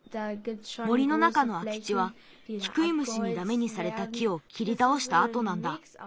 森の中のあきちはキクイムシにダメにされた木をきりたおしたあとなんだ。